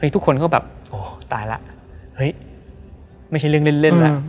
ทุกคนก็แบบอ๋อตายแล้วเฮ้ยไม่ใช่เรื่องเล่นแล้ว